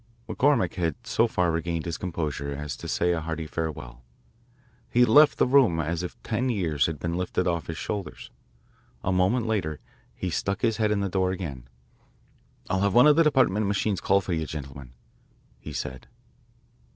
McCormick had so far regained his composure as to say a hearty farewell. He left the room as if ten years had been lifted off his shoulders. A moment later he stuck his head in the door again. "I'll have one of the Department machines call for you, gentlemen," he said.